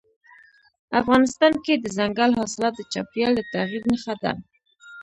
افغانستان کې دځنګل حاصلات د چاپېریال د تغیر نښه ده.